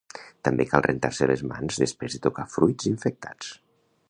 També cal rentar-se les mans després de tocar fruits infectats.